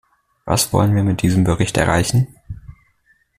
Was wollen wir mit diesem Bericht erreichen?